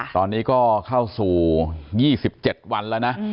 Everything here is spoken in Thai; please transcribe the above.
ตอนนี้ก็เข้าสู่๒๗วันแล้วนะ